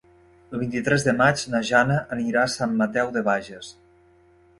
El vint-i-tres de maig na Jana anirà a Sant Mateu de Bages.